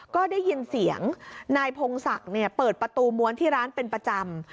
ก็ได้ยินเสียงนายพงศักดิ์เปิดประตูม้วนที่ร้านเป็นประจำ